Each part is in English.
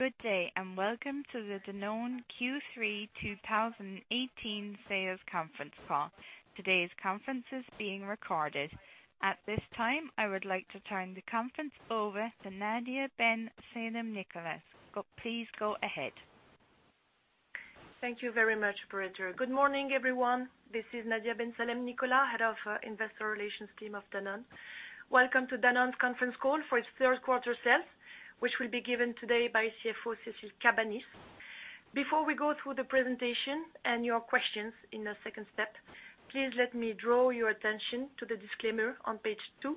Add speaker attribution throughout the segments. Speaker 1: Good day, and welcome to the Danone Q3 2018 Sales Conference Call. Today's conference is being recorded. At this time, I would like to turn the conference over to Nadia Ben Salem-Nicolas. Please go ahead.
Speaker 2: Thank you very much, operator. Good morning, everyone. This is Nadia Ben Salem-Nicolas, Head of Investor Relations Team of Danone. Welcome to Danone's conference call for its third quarter sales, which will be given today by CFO Cécile Cabanis. Before we go through the presentation and your questions in the second step, please let me draw your attention to the disclaimer on page 2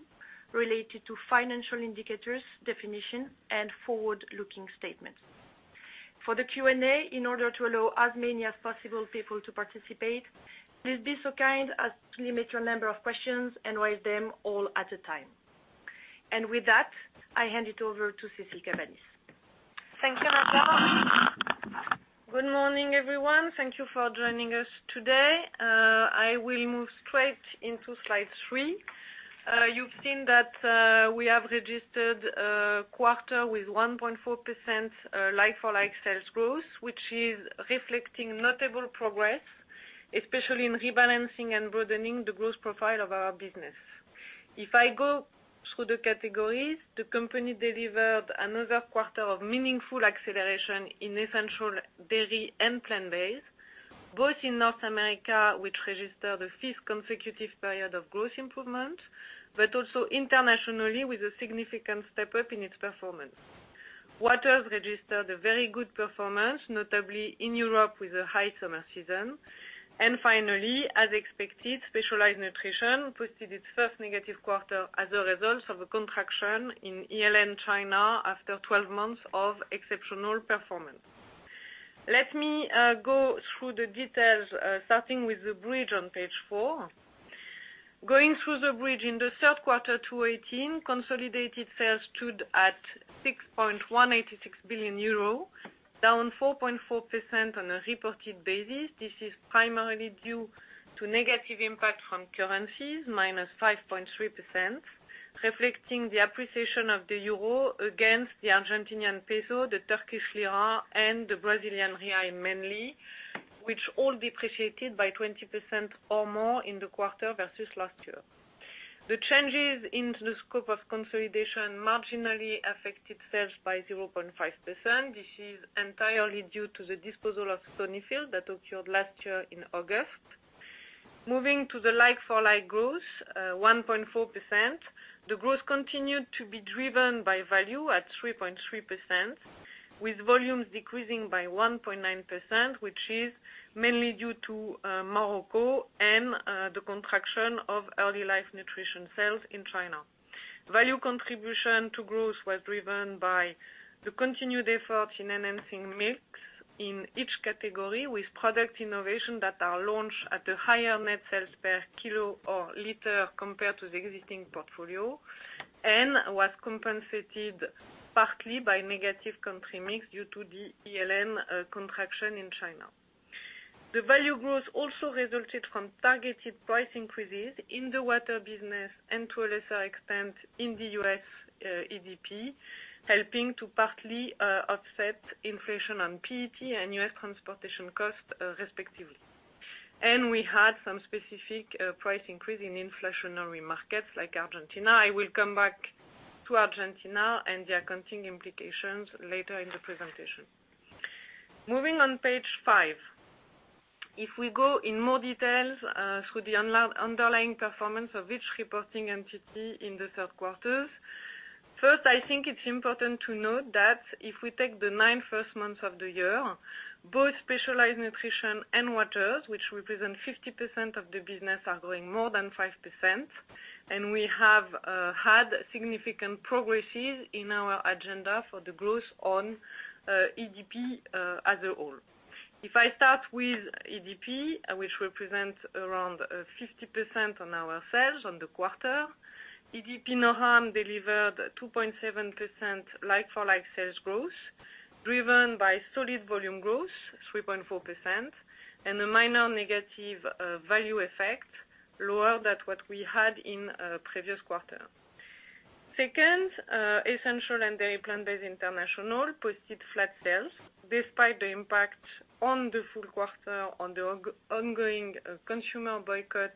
Speaker 2: related to financial indicators, definition, and forward-looking statements. For the Q&A, in order to allow as many as possible people to participate, please be so kind as to limit your number of questions and raise them all at a time. With that, I hand it over to Cécile Cabanis.
Speaker 3: Thank you, Nadia. Good morning, everyone. Thank you for joining us today. I will move straight into slide 3. You've seen that we have registered a quarter with 1.4% like-for-like sales growth, which is reflecting notable progress, especially in rebalancing and broadening the growth profile of our business. If I go through the categories, the company delivered another quarter of meaningful acceleration in Essential Dairy and Plant-Based, both in North America, which registered the fifth consecutive period of growth improvement, but also internationally with a significant step-up in its performance. Waters registered a very good performance, notably in Europe with a high summer season. Finally, as expected, Specialized Nutrition posted its first negative quarter as a result of a contraction in ELN China after 12 months of exceptional performance. Let me go through the details, starting with the bridge on page 4. Going through the bridge in the third quarter 2018, consolidated sales stood at 6.186 billion euro, down 4.4% on a reported basis. This is primarily due to negative impact from currencies, minus 5.3%, reflecting the appreciation of the euro against the Argentinian peso, the Turkish lira, and the Brazilian real mainly, which all depreciated by 20% or more in the quarter versus last year. The changes in the scope of consolidation marginally affected sales by 0.5%. This is entirely due to the disposal of Stonyfield that occurred last year in August. Moving to the like-for-like growth, 1.4%. The growth continued to be driven by value at 3.3%, with volumes decreasing by 1.9%, which is mainly due to Morocco and the contraction of Early Life Nutrition sales in China. Value contribution to growth was driven by the continued effort in enhancing mix in each category with product innovation that are launched at a higher net sales per kilo or liter compared to the existing portfolio, and was compensated partly by negative country mix due to the ELN contraction in China. The value growth also resulted from targeted price increases in the water business and to a lesser extent in the U.S. EDP, helping to partly offset inflation on PET and U.S. transportation costs, respectively. We had some specific price increase in inflationary markets like Argentina. I will come back to Argentina and the accounting implications later in the presentation. Moving on page five. If we go in more details through the underlying performance of each reporting entity in the third quarter, first, I think it's important to note that if we take the nine first months of the year, both specialized nutrition and waters, which represent 50% of the business, are growing more than 5%, and we have had significant progresses in our agenda for the growth on EDP as a whole. If I start with EDP, which represents around 50% on our sales on the quarter, EDP Noram delivered 2.7% like-for-like sales growth, driven by solid volume growth, 3.4%, and a minor negative value effect, lower than what we had in previous quarter. Second, Essential Dairy and Plant-Based International posted flat sales despite the impact on the full quarter on the ongoing consumer boycott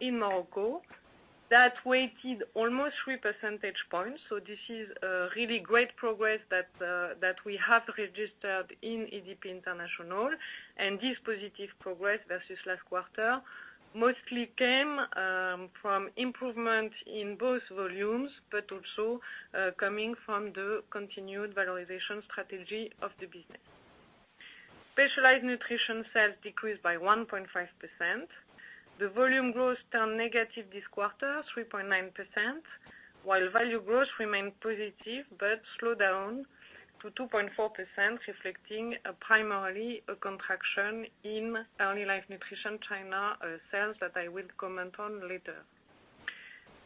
Speaker 3: in Morocco. That weighted almost three percentage points. This is a really great progress that we have registered in EDP International. This positive progress versus last quarter mostly came from improvement in both volumes, also coming from the continued valorization strategy of the business. Specialized nutrition sales decreased by 1.5%. The volume growth turned negative this quarter, 3.9%, while value growth remained positive but slowed down to 2.4%, reflecting primarily a contraction in Early Life Nutrition China sales that I will comment on later.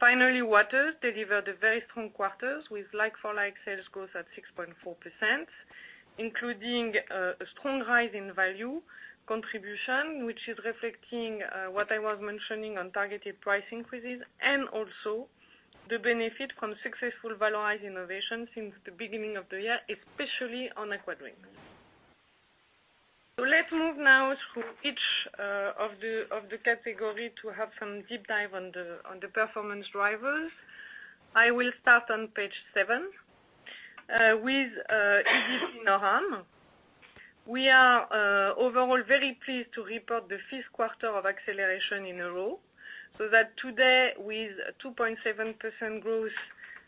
Speaker 3: Finally, Waters delivered a very strong quarter with like-for-like sales growth at 6.4%. Including a strong rise in value contribution, which is reflecting what I was mentioning on targeted price increases, also the benefit from successful valorized innovation since the beginning of the year, especially on aquadrinks. Let's move now through each of the category to have some deep dive on the performance drivers. I will start on page seven with EDP Noram. We are overall very pleased to report the fifth quarter of acceleration in a row, so that today, with 2.7% growth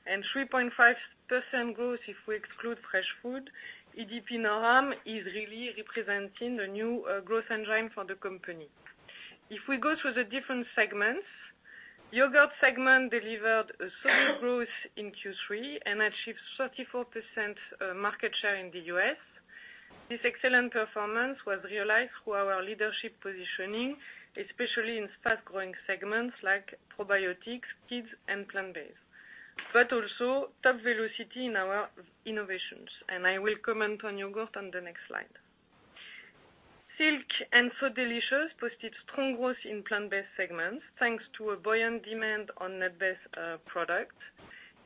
Speaker 3: and 3.5% growth if we exclude fresh food, EDP Noram is really representing the new growth engine for the company. If we go through the different segments, yogurt segment delivered a solid growth in Q3 and achieved 34% market share in the U.S. This excellent performance was realized through our leadership positioning, especially in fast-growing segments like probiotics, kids, and plant-based, also top velocity in our innovations. I will comment on yogurt on the next slide. Silk and So Delicious posted strong growth in plant-based segments, thanks to a buoyant demand on nut-based product.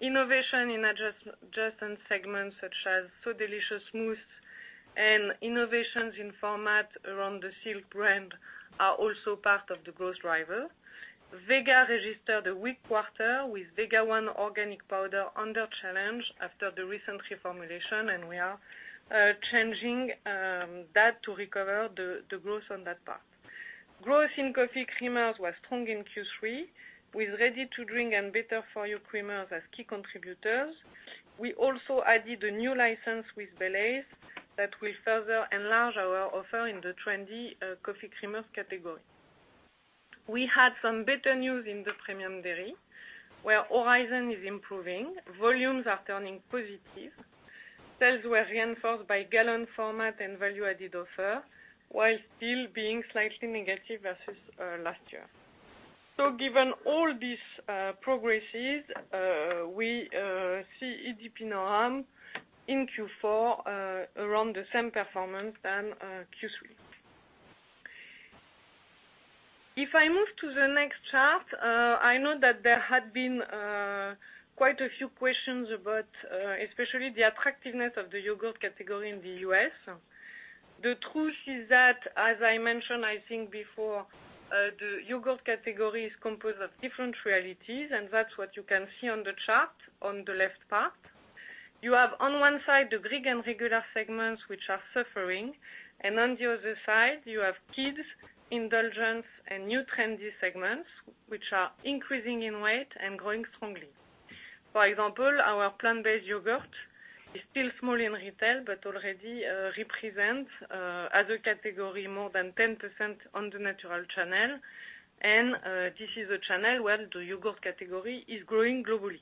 Speaker 3: Innovation in adjacent segments such as So Delicious Mousse and innovations in format around the Silk brand are also part of the growth driver. Vega registered a weak quarter, with Vega One organic powder under challenge after the recent reformulation. We are changing that to recover the growth on that part. Growth in coffee creamers was strong in Q3, with ready-to-drink and Better for You creamers as key contributors. We also added a new license with Baileys that will further enlarge our offer in the trendy coffee creamers category. We had some better news in the premium dairy, where Horizon is improving. Volumes are turning positive. Sales were reinforced by gallon format and value-added offer, while still being slightly negative versus last year. Given all these progresses, we see EDP Noram in Q4 around the same performance than Q3. If I move to the next chart, I know that there had been quite a few questions about, especially the attractiveness of the yogurt category in the U.S. The truth is that, as I mentioned, I think before, the yogurt category is composed of different realities, and that's what you can see on the chart on the left part. You have on one side, the Greek and regular segments, which are suffering. On the other side you have kids, indulgence, and new trendy segments, which are increasing in weight and growing strongly. For example, our plant-based yogurt is still small in retail, but already represents as a category more than 10% on the natural channel. This is a channel where the yogurt category is growing globally.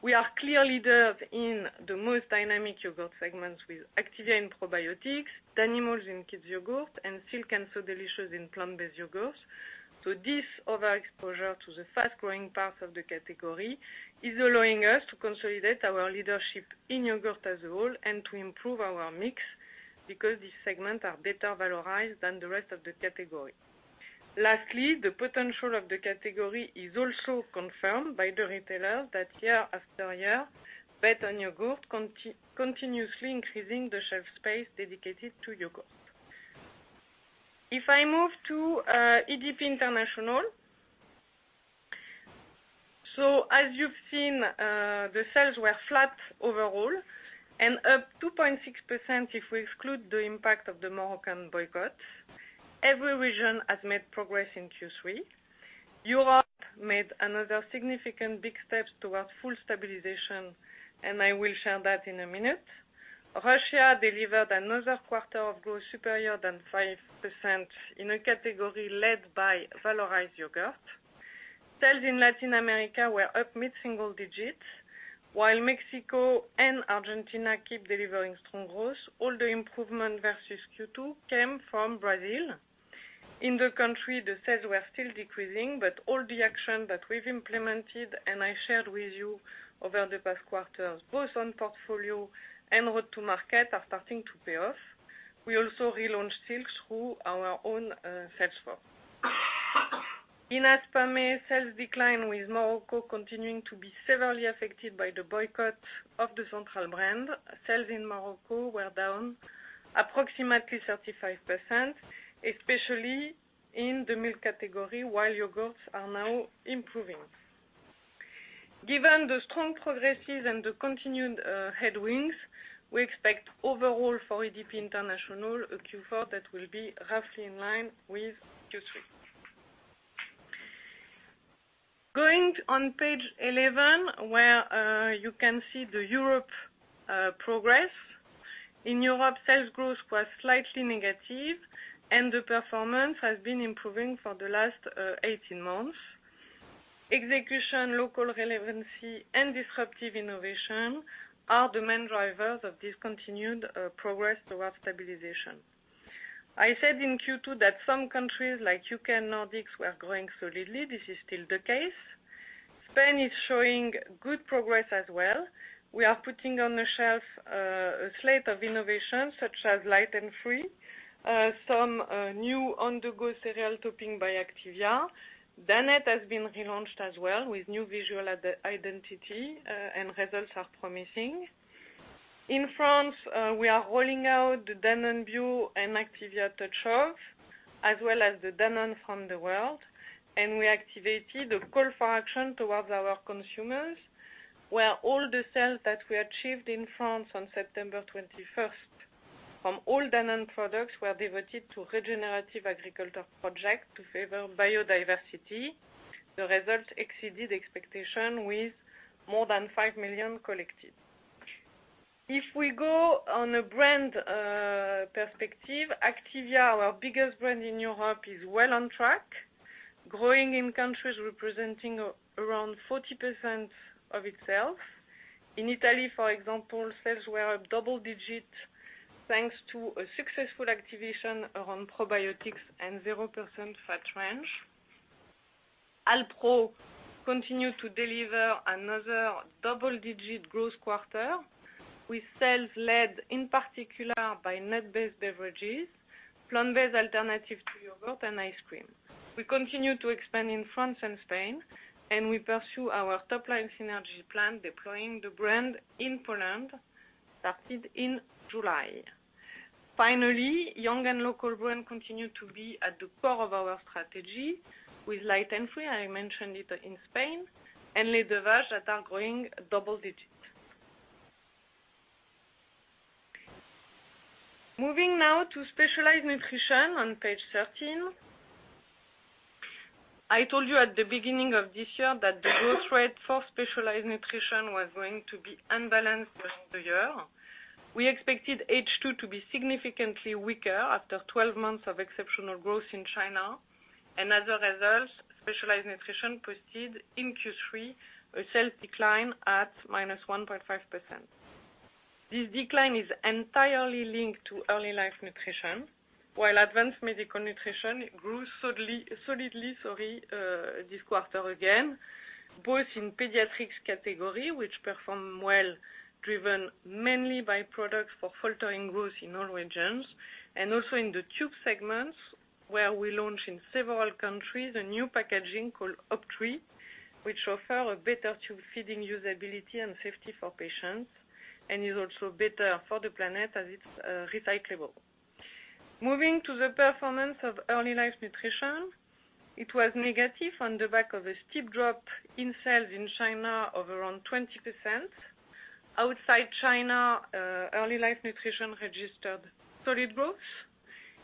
Speaker 3: We are clear leaders in the most dynamic yogurt segments with Activia and probiotics, Danimals in kids' yogurt, and Silk and So Delicious in plant-based yogurt. This overexposure to the fast-growing parts of the category is allowing us to consolidate our leadership in yogurt as a whole and to improve our mix, because these segments are better valorized than the rest of the category. Lastly, the potential of the category is also confirmed by the retailers that year after year bet on yogurt, continuously increasing the shelf space dedicated to yogurt. If I move to EDP International. As you've seen, the sales were flat overall and up 2.6% if we exclude the impact of the Moroccan boycott. Every region has made progress in Q3. Europe made another significant big step towards full stabilization. I will share that in a minute. Russia delivered another quarter of growth superior than 5% in a category led by valorized yogurt. Sales in Latin America were up mid-single digits, while Mexico and Argentina keep delivering strong growth. All the improvement versus Q2 came from Brazil. In the country, the sales were still decreasing, but all the action that we've implemented and I shared with you over the past quarters, both on portfolio and road to market, are starting to pay off. We also relaunched Silk through our own sales force. In AMEA, sales declined, with Morocco continuing to be severely affected by the boycott of the Centrale brand. Sales in Morocco were down approximately 35%, especially in the milk category, while yogurts are now improving. Given the strong progresses and the continued headwinds, we expect overall for EDP International, a Q4 that will be roughly in line with Q3. Going on page 11, where you can see the Europe progress. In Europe, sales growth was slightly negative, and the performance has been improving for the last 18 months. Execution, local relevancy, and disruptive innovation are the main drivers of this continued progress toward stabilization. I said in Q2 that some countries like U.K. and Nordics were growing solidly. This is still the case. Spain is showing good progress as well. We are putting on the shelf a slate of innovations such as Light & Free, some new on-the-go cereal topping by Activia. Danette has been relaunched as well with new visual identity, and results are promising. In France, we are rolling out the Danone Bio and Activia Touch Of, as well as the Danone du Monde, and we activated a call for action towards our consumers, where all the sales that we achieved in France on September 21st from all Danone products were devoted to regenerative agriculture project to favor biodiversity. The result exceeded expectation with more than 5 million collected. Going on a brand perspective, Activia, our biggest brand in Europe, is well on track, growing in countries representing around 40% of itself. In Italy, for example, sales were double-digit, thanks to a successful activation around probiotics and 0% fat range. Alpro continued to deliver another double-digit growth quarter with sales led in particular by nut-based beverages, plant-based alternative to yogurt and ice cream. We continue to expand in France and Spain, and we pursue our top-line synergy plan, deploying the brand in Poland, started in July. Finally, young and local brand continue to be at the core of our strategy with Light & Free, I mentioned it in Spain, and Les 2 Vaches that are growing double-digits. Moving now to specialized nutrition on page 13. I told you at the beginning of this year that the growth rate for specialized nutrition was going to be unbalanced during the year. We expected H2 to be significantly weaker after 12 months of exceptional growth in China, and as a result, specialized nutrition posted in Q3 a sales decline at -1.5%. This decline is entirely linked to Early Life Nutrition, while advanced medical nutrition grew solidly, sorry, this quarter again, both in pediatrics category, which performed well, driven mainly by products for faltering growth in all regions, and also in the tube segments, where we launch in several countries a new packaging called OpTri, which offer a better tube feeding usability and safety for patients, and is also better for the planet as it's recyclable. Moving to the performance of Early Life Nutrition, it was negative on the back of a steep drop in sales in China of around 20%. Outside China, Early Life Nutrition registered solid growth.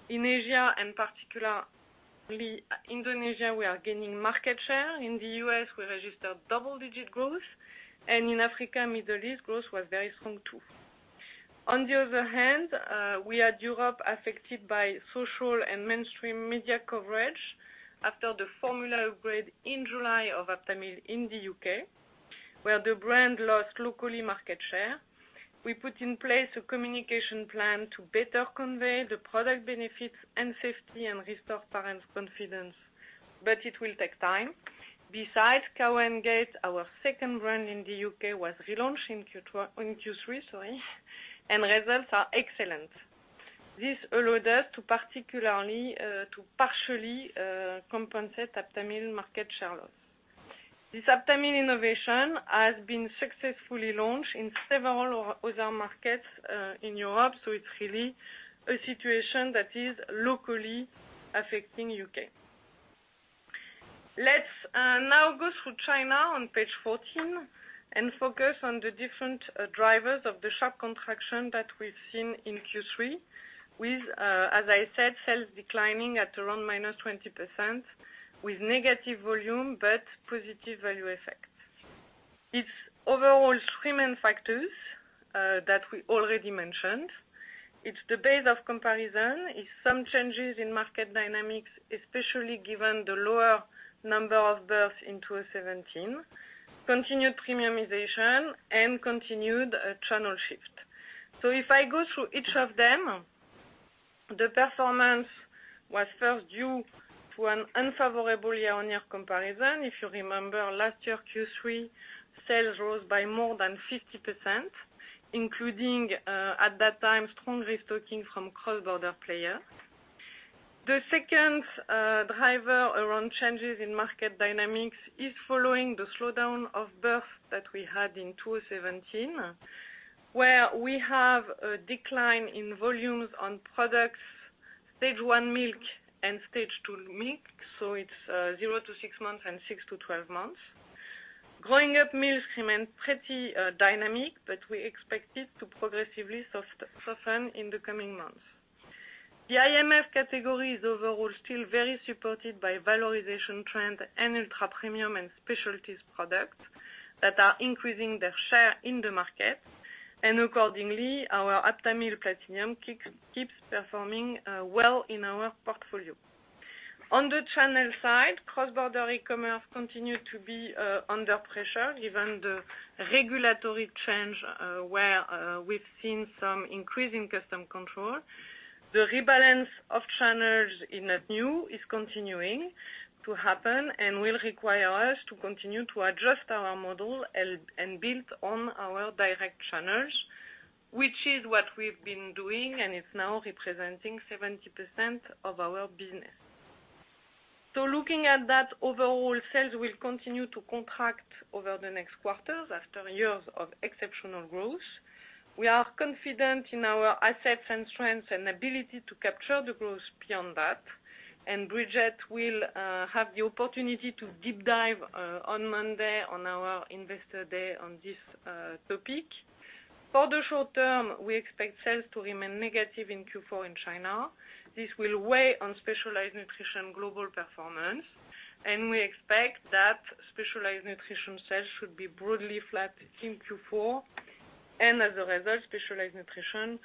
Speaker 3: In Asia, and particularly Indonesia, we are gaining market share. In the U.S., we registered double-digit growth, and in Africa, Middle East, growth was very strong, too. On the other hand, we had Europe affected by social and mainstream media coverage after the formula upgrade in July of Aptamil in the U.K., where the brand lost locally market share. We put in place a communication plan to better convey the product benefits and safety and restore parents' confidence, but it will take time. Besides Cow & Gate, our second brand in the U.K., was relaunched in Q3, and results are excellent. This allowed us to partially compensate Aptamil market share loss. This Aptamil innovation has been successfully launched in several other markets in Europe, so it's really a situation that is locally affecting U.K. Let's now go through China on page 14 and focus on the different drivers of the sharp contraction that we've seen in Q3 with, as I said, sales declining at around -20% with negative volume but positive value effect. It's overall three main factors that we already mentioned. It's the base of comparison, it's some changes in market dynamics, especially given the lower number of births in 2017, continued premiumization, and continued channel shift. If I go through each of them, the performance was first due to an unfavorable year-on-year comparison. If you remember, last year, Q3 sales rose by more than 50%, including, at that time, strong restocking from cross-border players. The second driver around changes in market dynamics is following the slowdown of birth that we had in 2017, where we have a decline in volumes on products Stage 1 milk and Stage 2 milk, so it's zero to six months and six to 12 months. Growing-up milk remains pretty dynamic, but we expect it to progressively soften in the coming months. The IF category is overall still very supported by valorization trend and ultra premium and specialties products that are increasing their share in the market. Accordingly, our Aptamil Platinum keeps performing well in our portfolio. On the channel side, cross-border e-commerce continued to be under pressure given the regulatory change where we've seen some increase in custom control. The rebalance of channels is not new, is continuing to happen and will require us to continue to adjust our model and build on our direct channels, which is what we've been doing and it's now representing 70% of our business. Looking at that, overall sales will continue to contract over the next quarters after years of exceptional growth. We are confident in our assets and strengths and ability to capture the growth beyond that, and Bridgette will have the opportunity to deep dive on Monday on our investor day on this topic. For the short term, we expect sales to remain negative in Q4 in China. This will weigh on specialized nutrition global performance, and we expect that specialized nutrition sales should be broadly flat in Q4, and as a result, specialized nutrition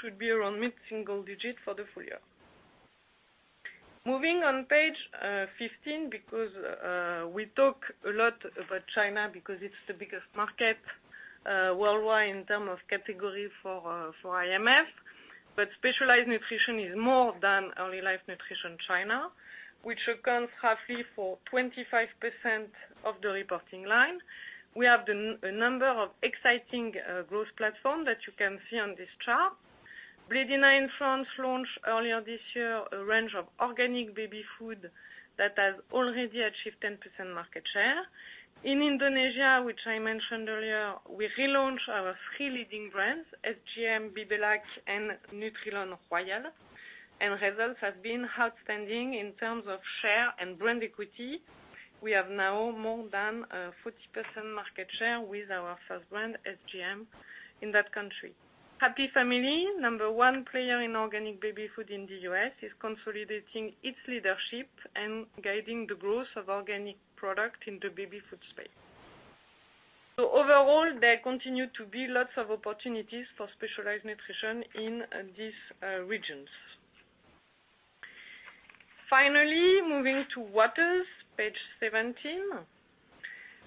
Speaker 3: should be around mid-single digit for the full year. Moving on page 15, because we talk a lot about China because it's the biggest market worldwide in term of category for IF. Specialized nutrition is more than early life nutrition China, which accounts roughly for 25% of the reporting line. We have a number of exciting growth platform that you can see on this chart. Blédina in France launched earlier this year a range of organic baby food that has already achieved 10% market share. In Indonesia, which I mentioned earlier, we relaunched our three leading brands, SGM, Bebelac and Nutrilon Royal, and results have been outstanding in terms of share and brand equity. We have now more than a 40% market share with our first brand, SGM, in that country. Happy Family, number 1 player in organic baby food in the U.S., is consolidating its leadership and guiding the growth of organic product in the baby food space. Overall, there continue to be lots of opportunities for specialized nutrition in these regions. Finally, moving to Waters, page 17.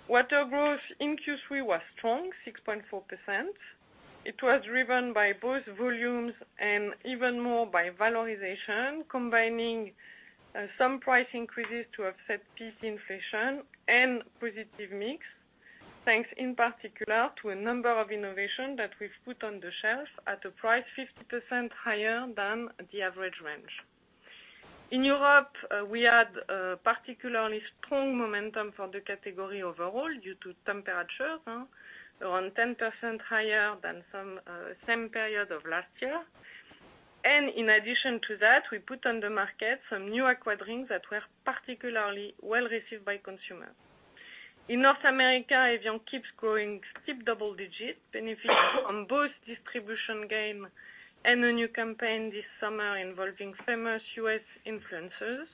Speaker 3: Water growth in Q3 was strong, 6.4%. It was driven by both volumes and even more by valorization, combining some price increases to offset PET inflation and positive mix, thanks in particular to a number of innovation that we've put on the shelf at a price 50% higher than the average range. In Europe, we had particularly strong momentum for the category overall due to temperature, around 10% higher than same period of last year. In addition to that, we put on the market some new aquadrinks that were particularly well-received by consumers. In North America, Evian keeps growing steep double digits, benefiting on both distribution gain and a new campaign this summer involving famous U.S. influencers.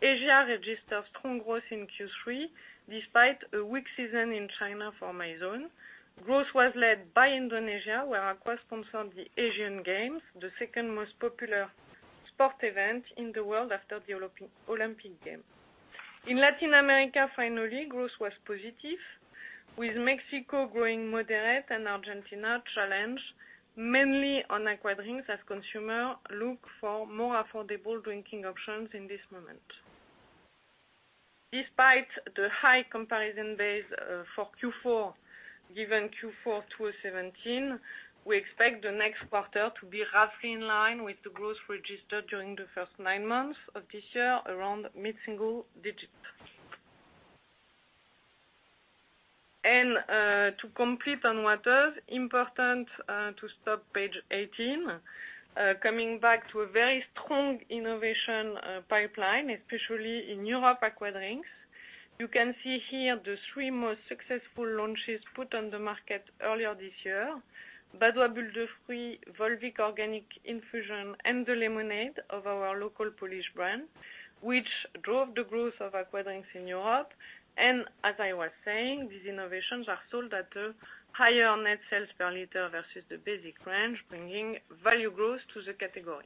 Speaker 3: Asia registered strong growth in Q3 despite a weak season in China for Mizone. Growth was led by Indonesia, where Aqua sponsored the Asian Games, the second most popular sport event in the world after the Olympic Games. In Latin America, finally, growth was positive, with Mexico growing moderate and Argentina challenged mainly on aquadrinks as consumer look for more affordable drinking options in this moment. Despite the high comparison base for Q4, given Q4 2017, we expect the next quarter to be roughly in line with the growth registered during the first nine months of this year, around mid-single digits. To complete on waters, important to stop page 18. Coming back to a very strong innovation pipeline, especially in Europe aquadrinks. You can see here the three most successful launches put on the market earlier this year. Badoit Bulles de Fruits, Volvic Infusion Bio, and the lemonade of our local Polish brand, which drove the growth of aquadrinks in Europe. As I was saying, these innovations are sold at a higher net sales per liter versus the basic range, bringing value growth to the category.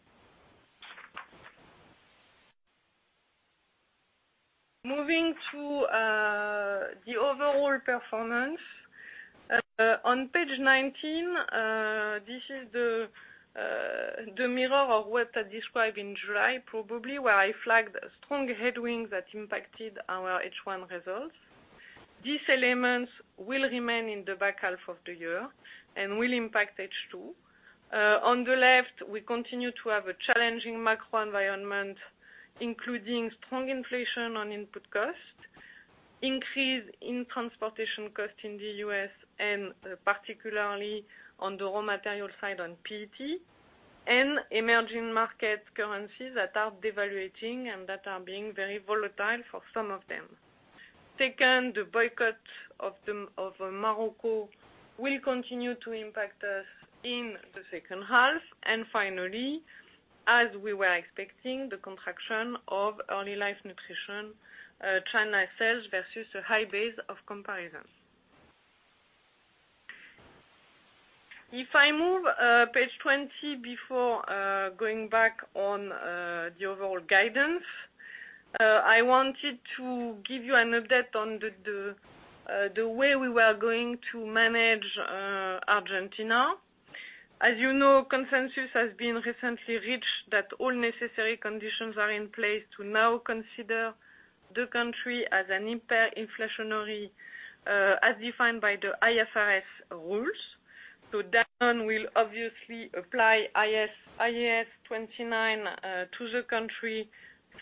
Speaker 3: Moving to the overall performance. On page 19, this is the mirror of what I described in July, probably where I flagged strong headwind that impacted our H1 results. These elements will remain in the back half of the year and will impact H2. On the left, we continue to have a challenging macro environment, including strong inflation on input cost, increase in transportation cost in the U.S., and particularly on the raw material side on PET. Emerging market currencies that are devaluating and that are being very volatile for some of them. Second, the boycott of Morocco will continue to impact us in the second half. Finally, as we were expecting, the contraction of Early Life Nutrition China sales versus a high base of comparison. If I move page 20 before going back on the overall guidance, I wanted to give you an update on the way we were going to manage Argentina. As you know, consensus has been recently reached that all necessary conditions are in place to now consider the country as a hyperinflationary, as defined by the IFRS rules. Danone will obviously apply IAS 29 to the country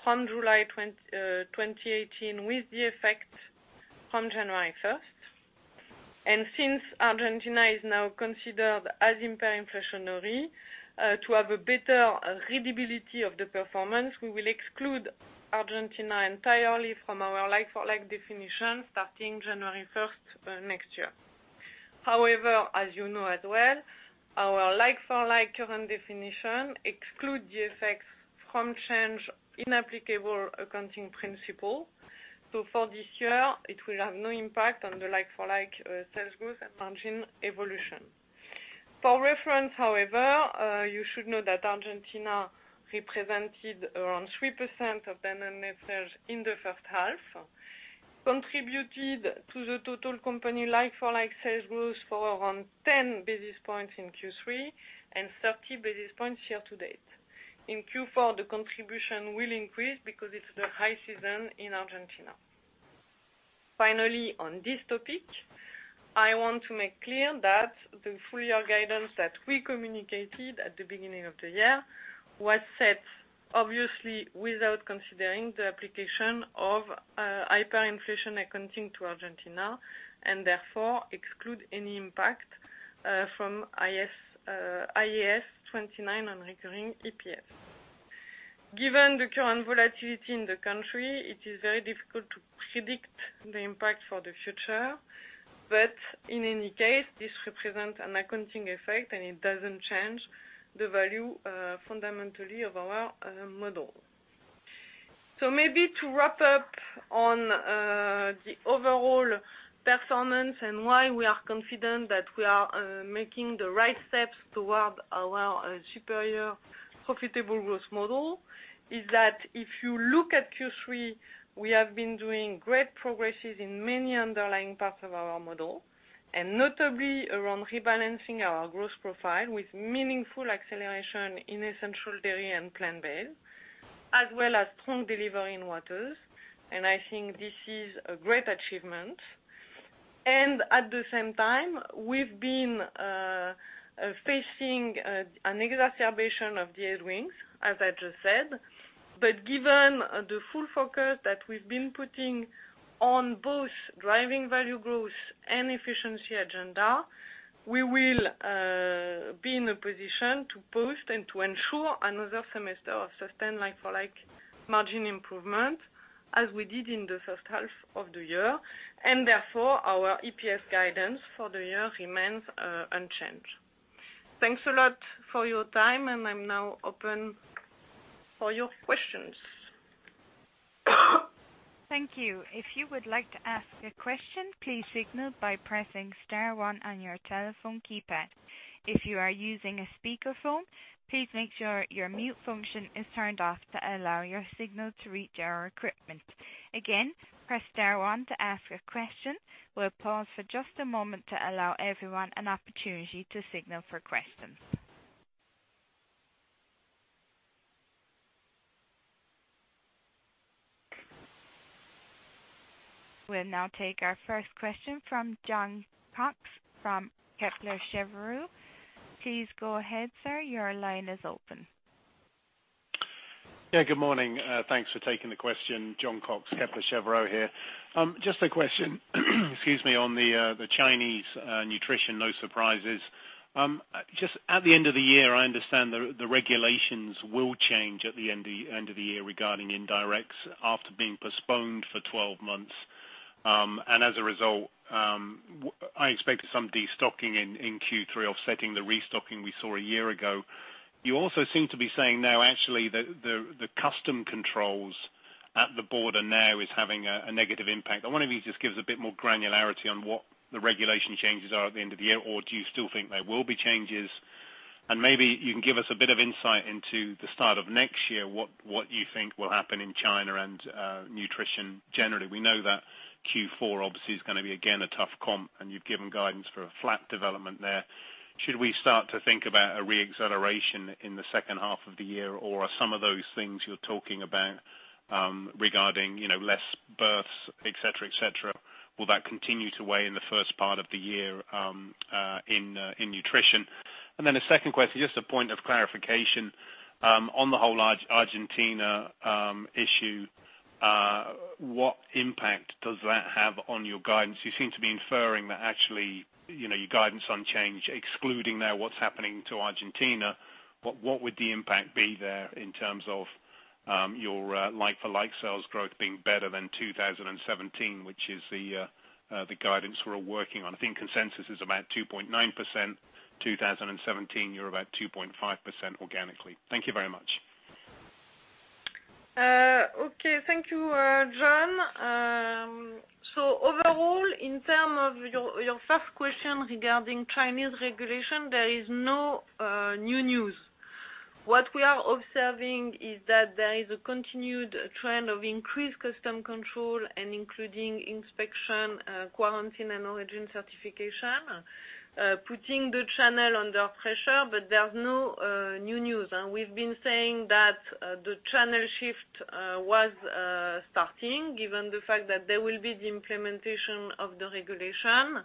Speaker 3: from July 2018 with the effect from January 1st. Since Argentina is now considered as hyperinflationary, to have a better readability of the performance, we will exclude Argentina entirely from our like-for-like definition, starting January 1st next year. However, as you know as well, our like-for-like current definition excludes the effects from change in applicable accounting principle. For this year, it will have no impact on the like-for-like sales growth and margin evolution. For reference, however, you should know that Argentina represented around 3% of Danone net sales in the first half, contributed to the total company like-for-like sales growth for around 10 basis points in Q3, and 30 basis points year-to-date. In Q4, the contribution will increase because it's the high season in Argentina. Finally, on this topic, I want to make clear that the full-year guidance that we communicated at the beginning of the year was set obviously without considering the application of hyperinflation accounting to Argentina, and therefore excludes any impact from IAS 29 on recurring EPS. Given the current volatility in the country, it is very difficult to predict the impact for the future. But in any case, this represents an accounting effect, and it doesn't change the value fundamentally of our model. Maybe to wrap up on the overall performance and why we are confident that we are making the right steps toward our superior profitable growth model is that if you look at Q3, we have been doing great progresses in many underlying parts of our model, and notably around rebalancing our growth profile with meaningful acceleration in Essential Dairy and Plant-Based, as well as strong delivery in Waters, and I think this is a great achievement. At the same time, we've been facing an exacerbation of headwinds, as I just said, but given the full focus that we've been putting on both driving value growth and efficiency agenda, we will be in a position to boost and to ensure another semester of sustained like-for-like margin improvement as we did in the first half of the year. Therefore, our EPS guidance for the year remains unchanged. Thanks a lot for your time, and I'm now open for your questions.
Speaker 1: Thank you. If you would like to ask a question, please signal by pressing star one on your telephone keypad. If you are using a speakerphone, please make sure your mute function is turned off to allow your signal to reach our equipment. Again, press star one to ask a question. We'll pause for just a moment to allow everyone an opportunity to signal for questions. We'll now take our first question from Jon Cox from Kepler Cheuvreux. Please go ahead, sir. Your line is open.
Speaker 4: Yeah, good morning. Thanks for taking the question. Jon Cox, Kepler Cheuvreux here. Just a question, excuse me, on the Chinese nutrition, no surprises. Just at the end of the year, I understand the regulations will change at the end of the year regarding indirects after being postponed for 12 months. As a result, I expected some destocking in Q3 offsetting the restocking we saw a year ago. You also seem to be saying now actually that the custom controls at the border now is having a negative impact. I wonder if you can just give us a bit more granularity on what the regulation changes are at the end of the year, or do you still think there will be changes? Maybe you can give us a bit of insight into the start of next year, what you think will happen in China and nutrition generally. We know that Q4 obviously is going to be again, a tough comp, and you've given guidance for a flat development there. Should we start to think about a re-acceleration in the second half of the year, or are some of those things you're talking about, regarding less births, et cetera? Will that continue to weigh in the first part of the year in nutrition? A second question, just a point of clarification on the whole Argentina issue, what impact does that have on your guidance? You seem to be inferring that actually, your guidance unchanged, excluding now what's happening to Argentina, what would the impact be there in terms of your like-for-like sales growth being better than 2017, which is the guidance we're working on? I think consensus is about 2.9%, 2017, you're about 2.5% organically. Thank you very much.
Speaker 3: Okay. Thank you, Jon. Overall, in term of your first question regarding Chinese regulation, there is no new news. What we are observing is that there is a continued trend of increased custom control, and including inspection, quarantine, and origin certification, putting the channel under pressure. There's no new news. We've been saying that the channel shift was starting, given the fact that there will be the implementation of the regulation.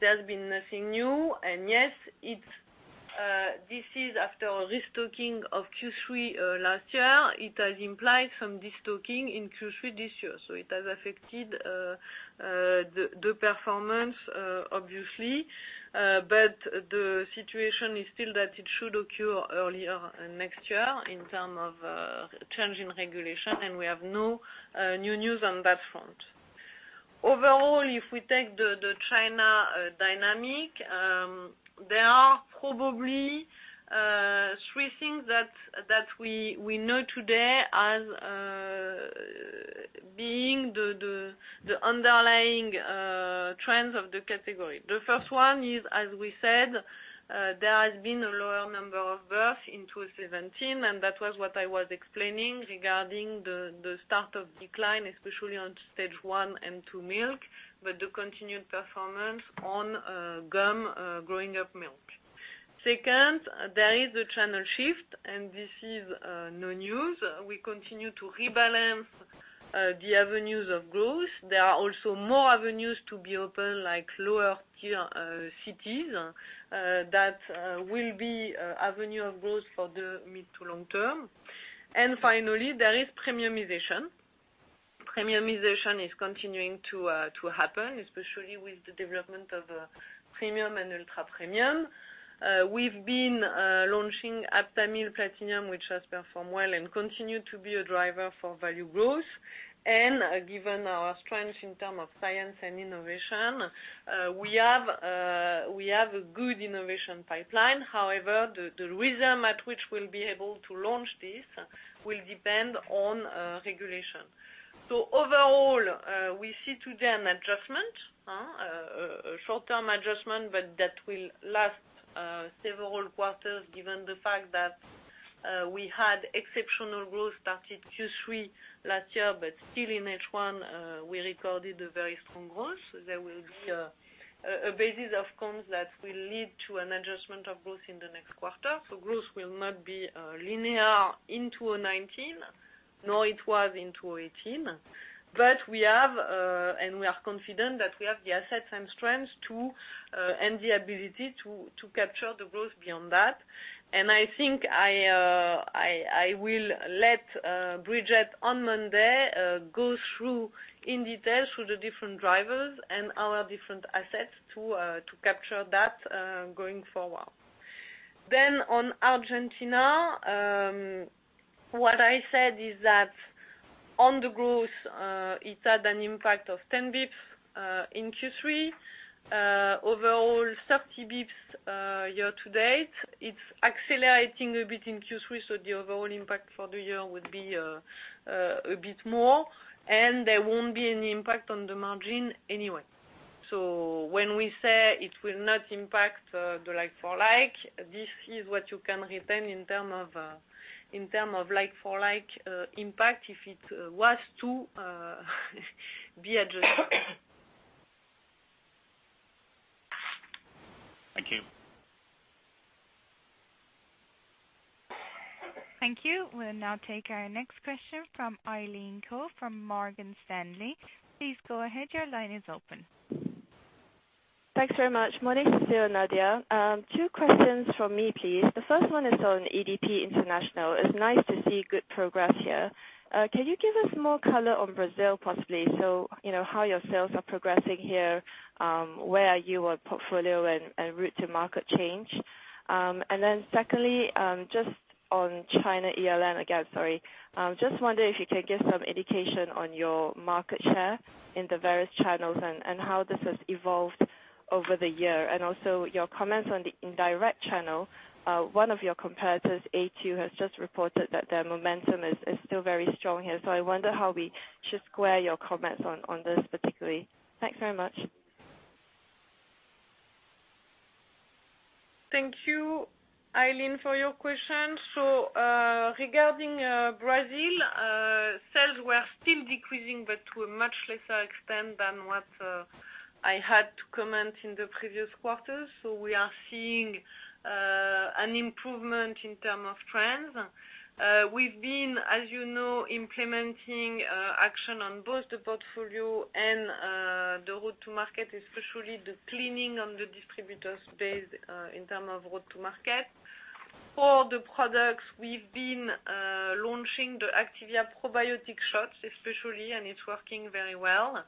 Speaker 3: There's been nothing new. Yes, this is after a restocking of Q3 last year. It has implied some destocking in Q3 this year. It has affected the performance, obviously. The situation is still that it should occur early next year in term of change in regulation, and we have no new news on that front. Overall, if we take the China dynamic, there are probably three things that we know today as being the underlying trends of the category. The first one is, as we said, there has been a lower number of births in 2017, and that was what I was explaining regarding the start of decline, especially on stage 1 and 2 milk, but the continued performance on GUM growing-up milk. Second, there is the channel shift. This is no news. We continue to rebalance the avenues of growth. There are also more avenues to be open, like lower tier cities, that will be avenue of growth for the mid to long term. Finally, there is premiumization. Premiumization is continuing to happen, especially with the development of premium and ultra-premium. We've been launching Aptamil Platinum, which has performed well and continue to be a driver for value growth. Given our strengths in term of science and innovation, we have a good innovation pipeline. However, the rhythm at which we'll be able to launch this will depend on regulation. Overall, we see today an adjustment, a short-term adjustment, but that will last several quarters given the fact that we had exceptional growth started Q3 last year, but still in H1, we recorded a very strong growth. There will be a basis of comps that will lead to an adjustment of growth in the next quarter. Growth will not be linear in 2019, nor it was in 2018. We have, and we are confident that we have the assets and strengths and the ability to capture the growth beyond that. I think I will let Bridgette on Monday go through in detail through the different drivers and our different assets to capture that going forward. On Argentina, what I said is that on the growth, it had an impact of 10 basis points in Q3. Overall, 30 basis points year-to-date. It's accelerating a bit in Q3, the overall impact for the year would be a bit more, and there won't be any impact on the margin anyway. When we say it will not impact the like-for-like, this is what you can retain in term of like-for-like impact, if it was to be adjusted.
Speaker 1: Thank you. Thank you. We'll now take our next question from Eileen Khoo from Morgan Stanley. Please go ahead. Your line is open.
Speaker 5: Thanks very much. Morning to you, Nadia. Two questions from me, please. The first one is on EDP International. It's nice to see good progress here. Can you give us more color on Brazil, possibly? How your sales are progressing here, where are you on portfolio and route to market change? Then secondly, just on China ELN again, sorry. Just wonder if you could give some indication on your market share in the various channels, and how this has evolved over the year. Also, your comments on the indirect channel. One of your competitors, A2, has just reported that their momentum is still very strong here. I wonder how we should square your comments on this particularly. Thanks very much.
Speaker 3: Thank you, Eileen, for your question. Regarding Brazil, sales were still decreasing, but to a much lesser extent than what I had to comment in the previous quarters. We are seeing an improvement in term of trends. We've been, as you know, implementing action on both the portfolio and the route to market, especially the cleaning on the distributors base in term of route to market. For the products, we've been launching the Activia probiotic shots, especially, and it's working very well.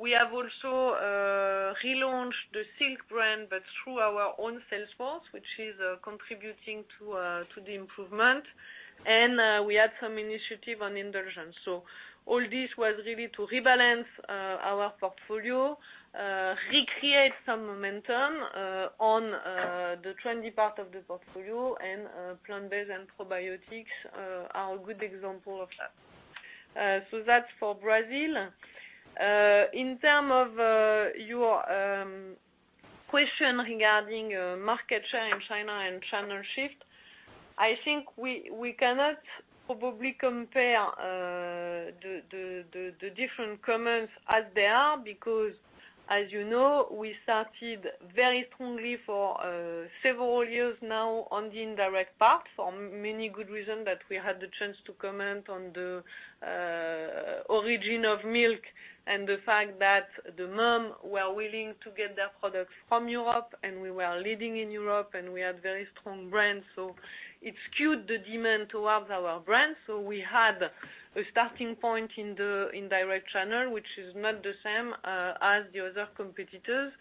Speaker 3: We have also relaunched the Silk brand, but through our own sales force, which is contributing to the improvement. We had some initiative on Indulgence. All this was really to rebalance our portfolio, recreate some momentum on the trendy part of the portfolio, and plant-based and probiotics are a good example of that. That's for Brazil. In term of your question regarding market share in China and channel shift, I think we cannot probably compare the different comments as they are because as you know, we started very strongly for several years now on the indirect path for many good reason that we had the chance to comment on the origin of milk and the fact that the mom were willing to get their product from Europe, and we were leading in Europe, and we had very strong brands. It skewed the demand towards our brands. We had a starting point in the indirect channel, which is not the same as the other competitors.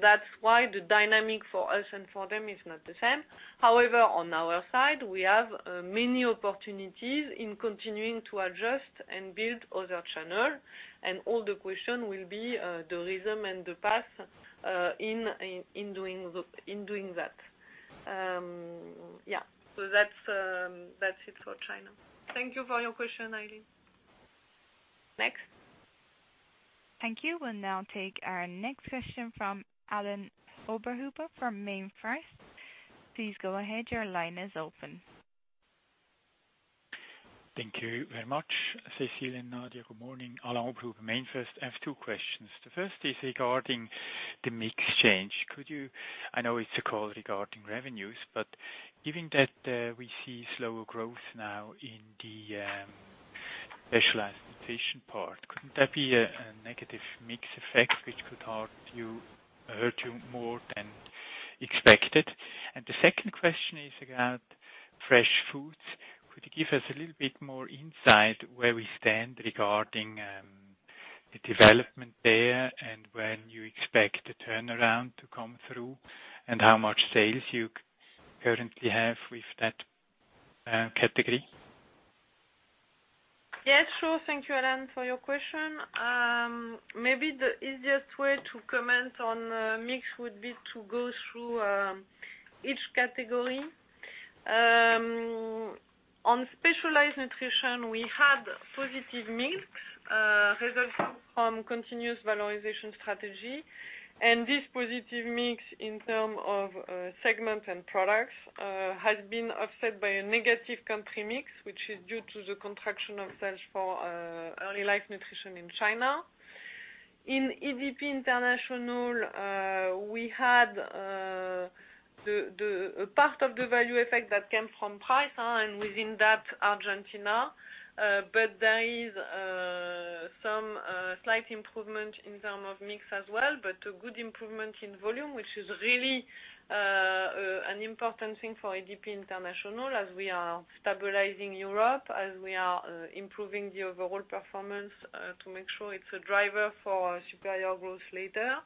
Speaker 3: That's why the dynamic for us and for them is not the same. However, on our side, we have many opportunities in continuing to adjust and build other channel, and all the question will be the rhythm and the path in doing that. Yeah. That's it for China. Thank you for your question, Eileen. Next.
Speaker 1: Thank you. We'll now take our next question from Alain-Sebastian Oberhuber from MainFirst. Please go ahead. Your line is open.
Speaker 6: Thank you very much, Cécile and Nadia. Good morning. Alain-Sebastian Oberhuber, MainFirst. I have two questions. The first is regarding the mix change. I know it's a call regarding revenues, but given that we see slower growth now in the specialized nutrition part, couldn't that be a negative mix effect, which could hurt you more than expected? The second question is about fresh foods. Could you give us a little bit more insight where we stand regarding the development there, and when you expect the turnaround to come through, and how much sales you currently have with that category?
Speaker 3: Yes, sure. Thank you, Alain, for your question. Maybe the easiest way to comment on mix would be to go through each category. On specialized nutrition, we had positive mix resulting from continuous valorization strategy. This positive mix in term of segment and products, has been offset by a negative country mix, which is due to the contraction of sales for Early Life Nutrition in China. In EDP International, we had a part of the value effect that came from price and within that, Argentina. There is some slight improvement in term of mix as well, but a good improvement in volume, which is really an important thing for EDP International as we are stabilizing Europe, as we are improving the overall performance, to make sure it's a driver for superior growth later.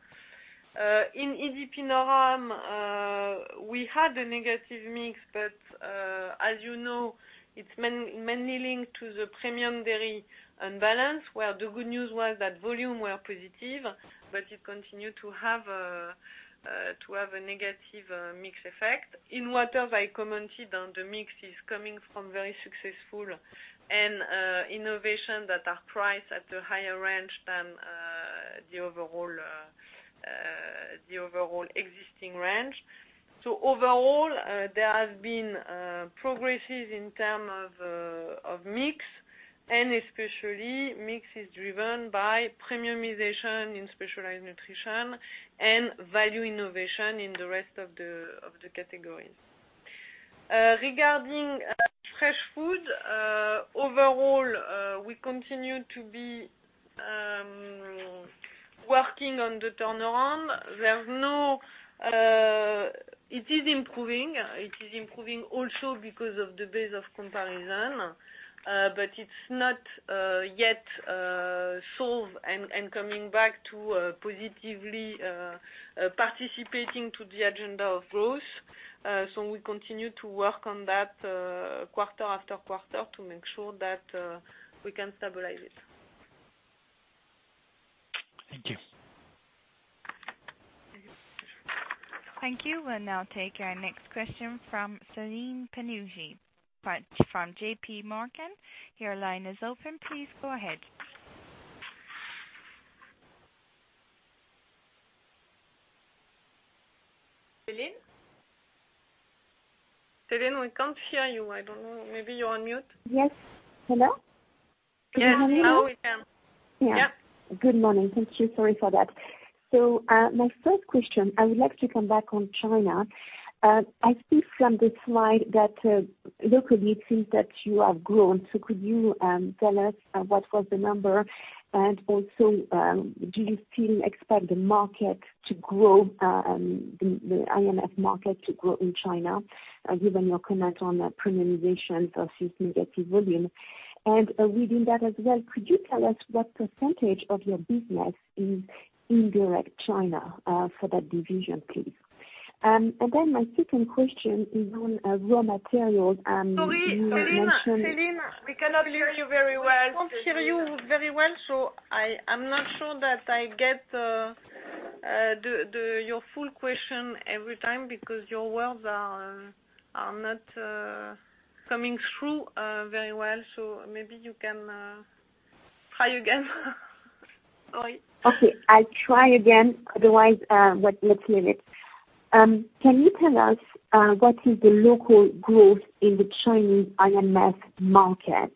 Speaker 3: In EDP Noram, we had a negative mix, as you know, it's mainly linked to the premium dairy unbalance where the good news was that volume were positive, it continued to have a negative mix effect. In Waters, I commented on the mix is coming from very successful and innovation that are priced at a higher range than the overall existing range. Overall, there has been progresses in term of mix, and especially, mix is driven by premiumization in specialized nutrition and value innovation in the rest of the categories. Regarding fresh food, overall, we continue to be working on the turnaround. It is improving. It is improving also because of the base of comparison, it's not yet solved and coming back to positively participating to the agenda of growth. We continue to work on that quarter after quarter to make sure that we can stabilize it.
Speaker 6: Thank you.
Speaker 1: Thank you. We'll now take our next question from Celine Pannuti from JP Morgan. Your line is open. Please go ahead.
Speaker 3: Céline? Céline, we can't hear you. I don't know. Maybe you're on mute.
Speaker 7: Yes. Hello? Good morning.
Speaker 3: Yes. Now we can.
Speaker 7: Yeah.
Speaker 3: Yeah.
Speaker 7: Good morning. Thank you. Sorry for that. My first question, I would like to come back on China. I see from the slide that locally it seems that you have grown. Could you tell us what was the number? Do you still expect the IF/FO market to grow in China, given your comment on the premiumization versus negative volume? Within that as well, could you tell us what % of your business is indirect China, for that division, please? My second question is on raw materials.
Speaker 3: Sorry, Celine, we cannot hear you very well. We can't hear you very well, I am not sure that I get your full question every time because your words are not coming through very well. Maybe you can try again. Sorry.
Speaker 7: Okay, I'll try again, otherwise, let's leave it. Can you tell us what is the local growth in the Chinese IF/FO market?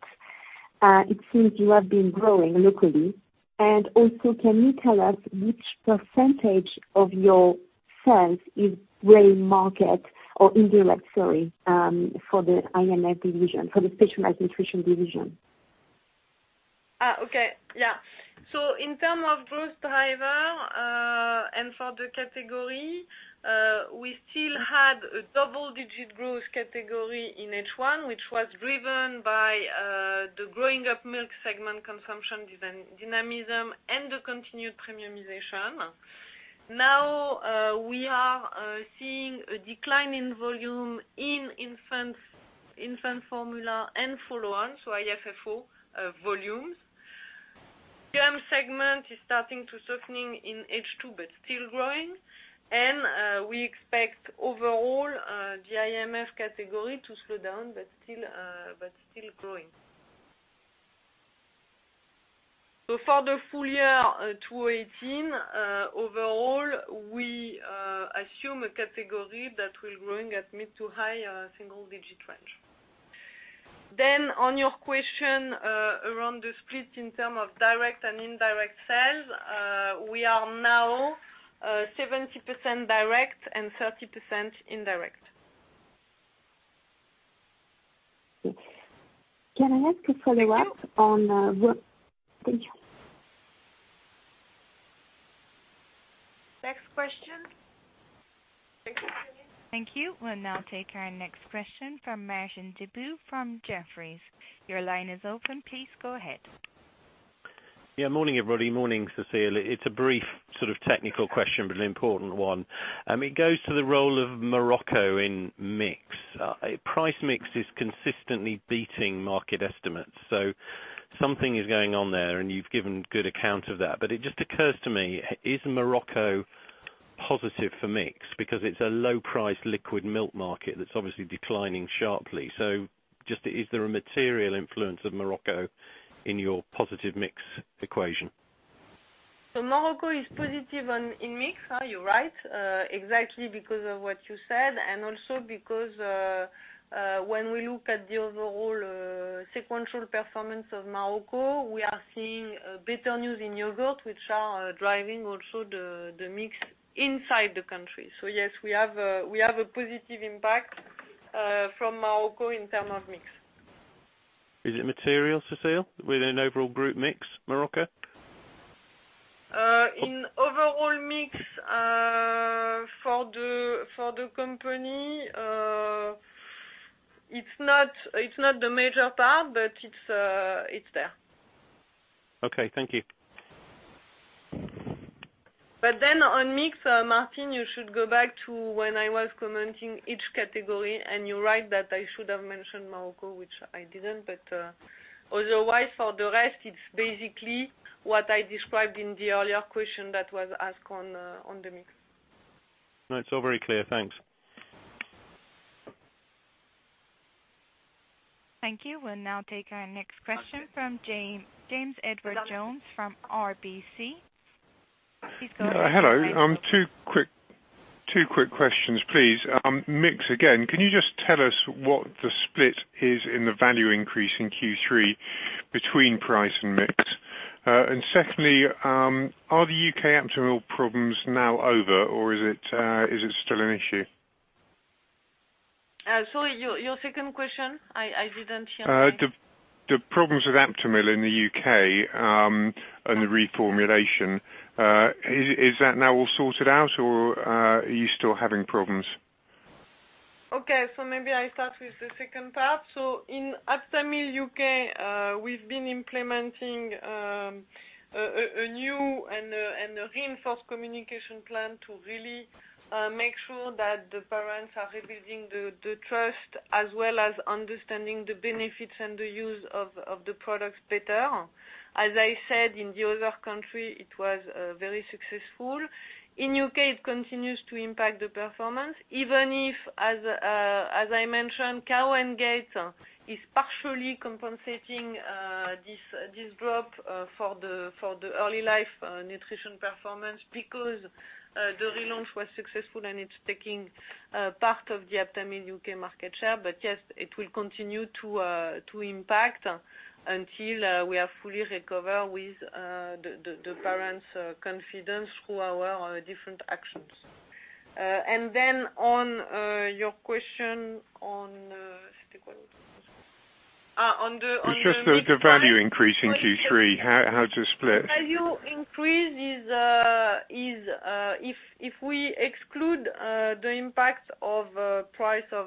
Speaker 7: It seems you have been growing locally. Also, can you tell us which percentage of your sales is gray market or indirect, sorry, for the IF/FO division, for the specialized nutrition division?
Speaker 3: Okay. In term of growth driver, for the category, we still had a double-digit growth category in H1, which was driven by the growing up milk segment consumption dynamism, and the continued premiumization. Now, we are seeing a decline in volume in infant formula and follow-on, so IF/FO volumes. GUM segment is starting to softening in H2, but still growing. We expect overall, the IF/FO category to slow down, but still growing. For the full year 2018, overall, we assume a category that will growing at mid to high single-digit range. On your question around the split in term of direct and indirect sales, we are now 70% direct and 30% indirect.
Speaker 7: Can I ask a follow-up. Thank you.
Speaker 3: Next question.
Speaker 1: Thank you. We will now take our next question from Martin Deboo from Jefferies. Your line is open. Please go ahead.
Speaker 8: Yes, morning, everybody. Morning, Cécile. It is a brief sort of technical question, but an important one. It goes to the role of Morocco in mix. Price mix is consistently beating market estimates. Something is going on there, and you have given good account of that. It just occurs to me, is Morocco positive for mix? Because it is a low-price liquid milk market that is obviously declining sharply. Just is there a material influence of Morocco in your positive mix equation?
Speaker 3: Morocco is positive in mix. You are right, exactly because of what you said, also because, when we look at the overall sequential performance of Morocco, we are seeing better news in yogurt, which are driving also the mix inside the country. Yes, we have a positive impact from Morocco in term of mix.
Speaker 8: Is it material, Cécile, within overall group mix, Morocco?
Speaker 3: In overall mix, for the company, it's not the major part, but it's there.
Speaker 8: Okay. Thank you.
Speaker 3: On mix, Martin, you should go back to when I was commenting each category, and you're right that I should have mentioned Morocco, which I didn't. Otherwise, for the rest, it's basically what I described in the earlier question that was asked on the mix.
Speaker 8: No, it's all very clear. Thanks.
Speaker 1: Thank you. We'll now take our next question from James Edwardes Jones from RBC. Please go ahead.
Speaker 9: Hello. Two quick questions, please. Mix again. Can you just tell us what the split is in the value increase in Q3 between price and mix? Secondly, are the U.K. Aptamil problems now over, or is it still an issue?
Speaker 3: Sorry, your second question, I didn't hear.
Speaker 9: The problems with Aptamil in the U.K., and the reformulation, is that now all sorted out, or are you still having problems?
Speaker 3: Okay, maybe I start with the second part. In Aptamil U.K., we've been implementing a new and a reinforced communication plan to really make sure that the parents are rebuilding the trust as well as understanding the benefits and the use of the products better. As I said, in the other country, it was very successful. In U.K., it continues to impact the performance, even if, as I mentioned, Cow & Gate is partially compensating this drop for the early life nutrition performance because the relaunch was successful, and it's taking part of the Aptamil U.K. market share. Yes, it will continue to impact until we are fully recover with the parents' confidence through our different actions. On your question on the-
Speaker 9: It's just the value increase in Q3. How it is split?
Speaker 3: The value increase is, if we exclude the impact of price of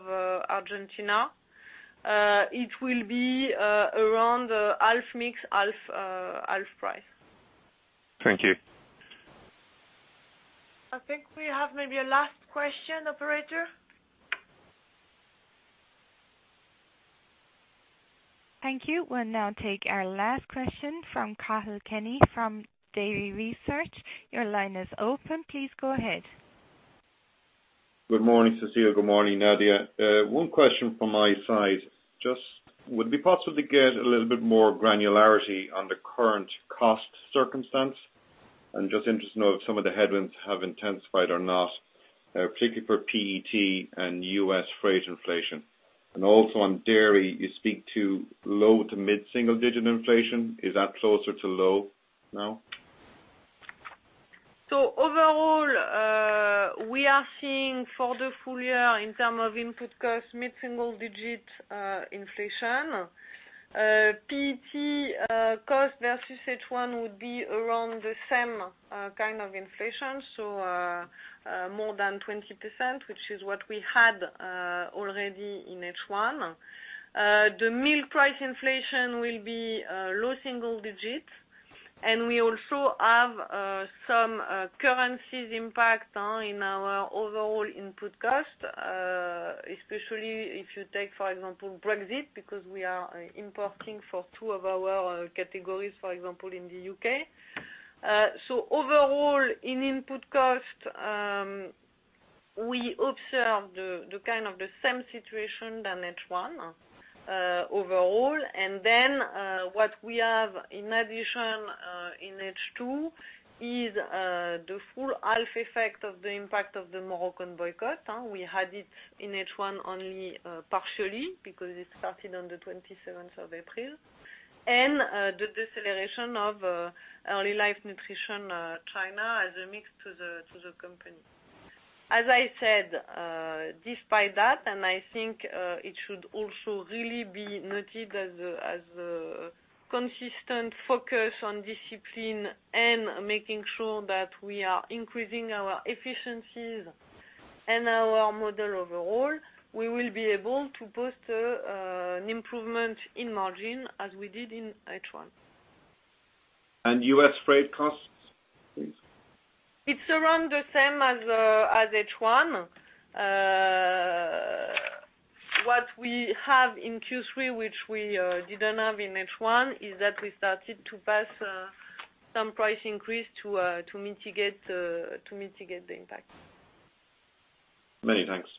Speaker 3: Argentina, it will be around half mix, half price.
Speaker 9: Thank you.
Speaker 3: I think we have maybe a last question, operator.
Speaker 1: Thank you. We'll now take our last question from Cathal Kenny from Davy Research. Your line is open. Please go ahead.
Speaker 10: Good morning, Cécile. Good morning, Nadia. One question from my side. Just would it be possible to get a little bit more granularity on the current cost circumstance? I'm just interested to know if some of the headwinds have intensified or not, particularly for PET and U.S. freight inflation. Also on dairy, you speak to low- to mid-single digit inflation. Is that closer to low now?
Speaker 3: Overall, we are seeing for the full year in terms of input cost, mid-single-digit inflation. PET cost versus H1 would be around the same kind of inflation. More than 20%, which is what we had already in H1. The milk price inflation will be low single digits, and we also have some currency impact in our overall input cost. Especially if you take, for example, Brexit, because we are importing for two of our categories, for example, in the U.K. Overall in input cost, we observe the same situation than H1 overall. What we have in addition, in H2 is the full-half effect of the impact of the Moroccan boycott. We had it in H1 only partially because it started on the 27th of April. The deceleration of Early Life Nutrition China as a mix to the company. As I said, despite that, and I think it should also really be noted as a consistent focus on discipline and making sure that we are increasing our efficiencies and our model overall, we will be able to post an improvement in margin as we did in H1.
Speaker 10: U.S. freight costs, please?
Speaker 3: It's around the same as H1. What we have in Q3, which we didn't have in H1, is that we started to pass some price increase to mitigate the impact.
Speaker 10: Many thanks.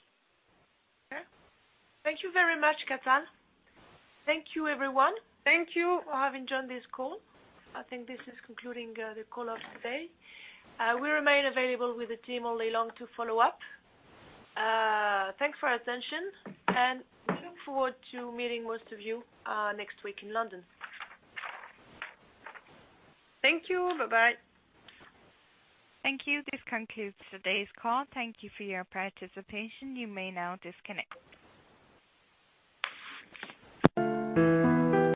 Speaker 3: Okay. Thank you very much, Cathal. Thank you, everyone. Thank you for having joined this call. I think this is concluding the call of today. We remain available with the team all day long to follow up. Thanks for your attention and we look forward to meeting most of you next week in London. Thank you. Bye-bye.
Speaker 1: Thank you. This concludes today's call. Thank you for your participation. You may now disconnect.